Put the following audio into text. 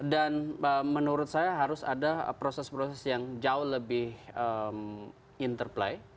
dan menurut saya harus ada proses proses yang jauh lebih interplay